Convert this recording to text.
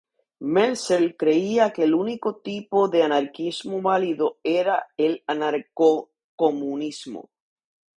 Meltzer creía que el único tipo de anarquismo válido era el anarcocomunismo.